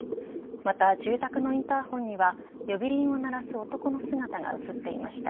また住宅のインターホンには呼び鈴を鳴らす男の姿が映っていました。